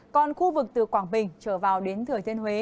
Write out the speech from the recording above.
còn khu vực từ quảng bình trở vào đến thừa thiên huế